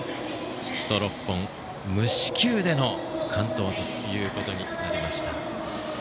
ヒット６本無四球での完投となりました。